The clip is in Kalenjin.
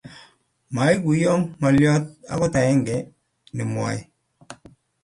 Maguiye ngolyo agot agenge nenwae